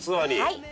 はい。